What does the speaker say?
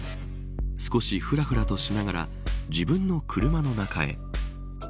少しふらふらとしながら自分の車の中へ。